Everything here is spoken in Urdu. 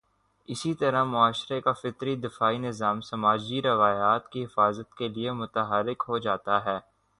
اسی طرح معاشرے کا فطری دفاعی نظام سماجی روایات کی حفاظت کے لیے متحرک ہو جاتا ہے۔